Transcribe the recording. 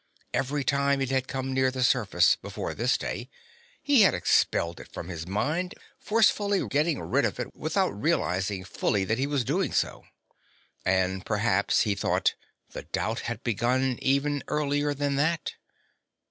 Every time it had come near the surface, before this day, he had expelled it from his mind, forcefully getting rid of it without realizing fully that he was doing so. And perhaps, he thought, the doubt had begun even earlier than that.